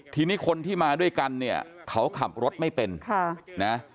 ทีนี้คนที่มาด้วยกันเนี่ยเขาขับรถไม่เป็นค่ะนะ